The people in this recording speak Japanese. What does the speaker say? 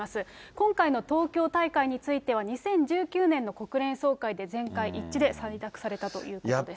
今回の東京大会については、２０１９年の国連総会で全会一致で採択されたということです。